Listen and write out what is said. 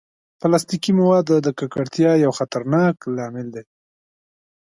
پلاستيکي مواد د ککړتیا یو خطرناک لامل دي.